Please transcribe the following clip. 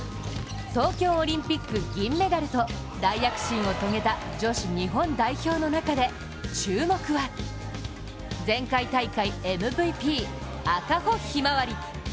東京オリンピック銀メダルと大躍進を遂げた女子日本代表の中で注目は前回大会ＭＶＰ・赤穂ひまわり。